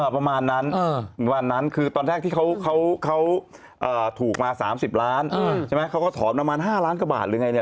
ประมาณนั้นก็คือตอนแรกที่เขาถูกมา๓๐ล้าน